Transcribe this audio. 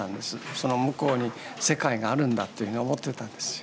その向こうに世界があるんだというふうに思ってたんですよ。